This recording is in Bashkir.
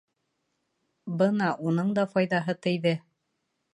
Бына уның да файҙаһы тейҙе!